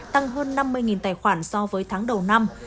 tăng hơn năm mươi tài khoản so với tháng đầu năm